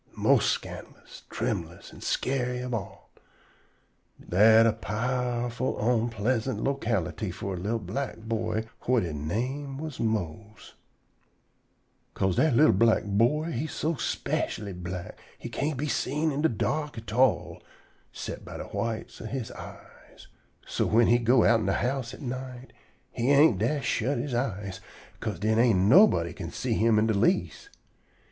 mos' scandalous, trembulous an' scary ob all. Dat a powerful onpleasant locality for a li'l black boy whut he name was Mose. 'Ca'se dat li'l black boy he so specially black he can't be seen in de dark at all 'cept by de whites ob he eyes. So whin he go outen de house at night, he ain't dast shut he eyes, 'ca'se den ain't nobody can see him in de least.